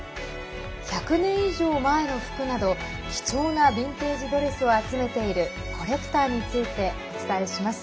１００年以上前の服など貴重なビンテージドレスを集めているコレクターについてお伝えします。